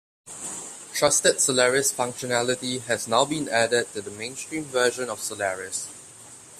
Trusted Solaris functionality has now been added to the mainstream version of Solaris.